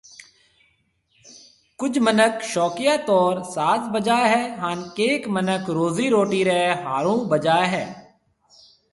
ڪجهه منک شوڪيا طور ساز بجائي هي هان ڪئينڪ منک روزي روٽي ري ۿارو بجائي هي